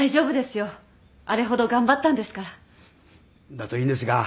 だといいんですが。